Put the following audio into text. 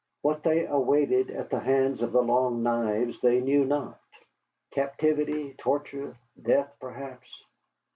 What they awaited at the hands of the Long Knives they knew not, captivity, torture, death perhaps.